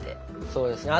そうですね